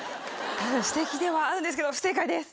すてきではあるんですけど不正解です。